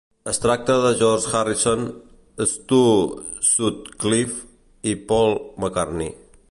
Es tracta de George Harrison, Stu Sutcliffe i Paul McCartney.